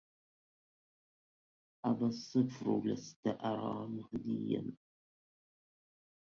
أبا الصقر لست أرى مهديا